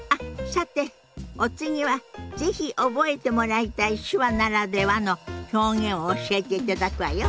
さてお次は是非覚えてもらいたい手話ならではの表現を教えていただくわよ。